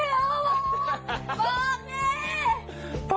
ไม่ต้องหลอกนะฟี